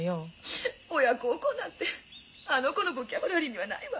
親孝行なんてあの子のボキャブラリーにはないわ。